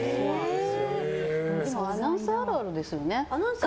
アナウンサーあるあるですよね。